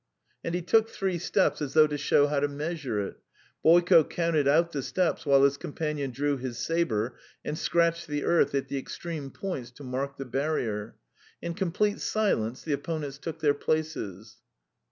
And he took three steps as though to show how to measure it. Boyko counted out the steps while his companion drew his sabre and scratched the earth at the extreme points to mark the barrier. In complete silence the opponents took their places.